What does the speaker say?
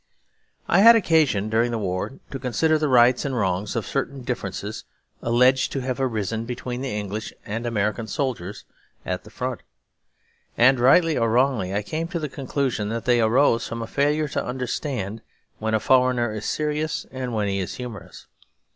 I had occasion during the war to consider the rights and wrongs of certain differences alleged to have arisen between the English and American soldiers at the front. And, rightly or wrongly, I came to the conclusion that they arose from the failure to understand when a foreigner is serious and when he is humorous.